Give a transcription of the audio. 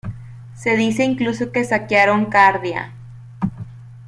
Se dice incluso que saquearon Cardia.